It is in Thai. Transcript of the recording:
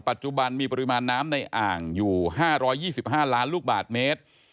ปัจจุบันมีปริมาณน้ำในอ่างอยู่๕๒๕ล้านลูกบาทเมตร